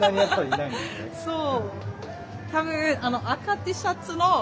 そう。